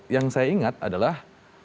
yang saya ingat adalah